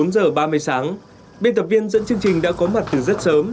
bốn giờ ba mươi sáng biên tập viên dẫn chương trình đã có mặt từ rất sớm